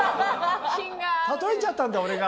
例えちゃったんだ俺が。